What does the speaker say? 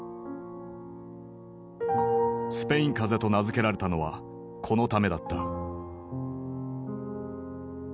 スペイン風邪と名付けられたのはこのためだった。